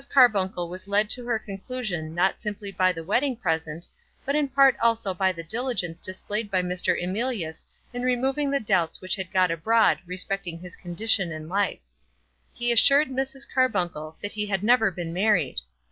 Carbuncle was led to her conclusion not simply by the wedding present, but in part also by the diligence displayed by Mr. Emilius in removing the doubts which had got abroad respecting his condition in life. He assured Mrs. Carbuncle that he had never been married.